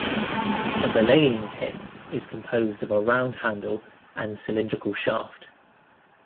A belaying pin is composed of a round handle and cylindrical shaft.